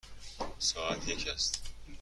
ساعت یک است.